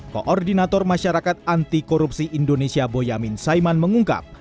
koordinator masyarakat anti korupsi indonesia boyamin saiman mengungkap